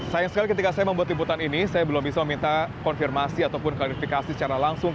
sayang sekali ketika saya membuat liputan ini saya belum bisa meminta konfirmasi ataupun klarifikasi secara langsung